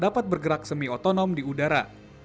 dan juga dapat bergerak semi otonom di udara